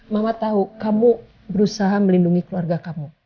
mama tahu kamu berusaha melindungi keluarga kamu